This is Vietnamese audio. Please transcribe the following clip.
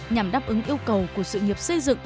nhằm đáp ứng yêu cầu của sự nghiệp xây dựng